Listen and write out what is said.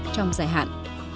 trong dài hạn